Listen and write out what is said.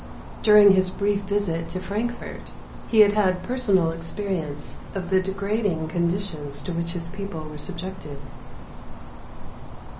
During his brief visit to Frankfort, he had had personal experience of the degrading conditions to which his people were subjected.